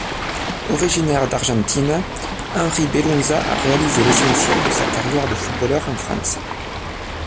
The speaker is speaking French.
Originaire d'Argentine, Henri Belunza a réalisé l'essentiel de sa carrière de footballeur en France.